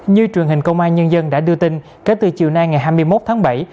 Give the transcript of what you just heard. như truyền hình công an nhân dân đã đưa tin kể từ chiều nay ngày hai mươi một tháng bảy